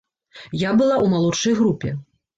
Я была ў малодшай групе.